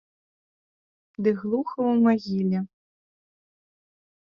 Ды глуха ў магіле.